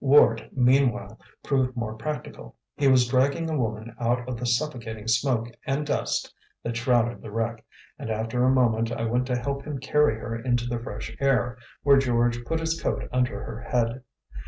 Ward, meanwhile, proved more practical. He was dragging a woman out of the suffocating smoke and dust that shrouded the wreck, and after a moment I went to help him carry her into the fresh air, where George put his coat under her head.